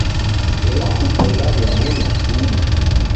Ela isi daw'iabonya kii?